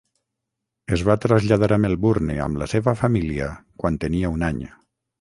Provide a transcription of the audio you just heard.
Es va traslladar a Melbourne amb la seva família quan tenia un any.